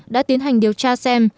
đã tiến hành điều tra xem